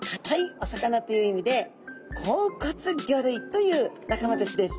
お魚という意味で硬骨魚類という仲間たちです。